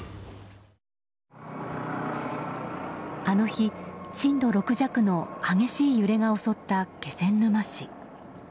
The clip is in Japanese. あの日、震度６弱の激しい揺れが襲った気仙沼市。